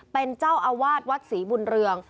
เป็นเจ้าอาวาสวัดศรีบุญเรือง